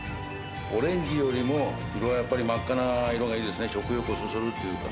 オレンジよりも、色は真っ赤な色がいいですね、食欲をそそるというか。